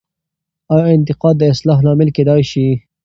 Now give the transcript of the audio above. آیا انتقاد د اصلاح لامل کیدای سي؟